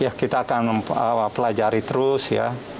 ya kita akan mempelajari terus ya